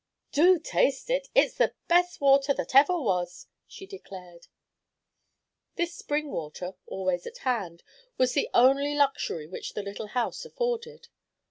"Do taste it. It's the best water that ever was," she declared. This spring water, always at hand, was the only luxury which the little house afforded.